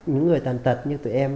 những người tàn tật như tụi em